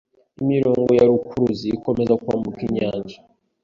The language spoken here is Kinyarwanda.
Imirongo ya rukuruzi ikomeza kwambuka inyanja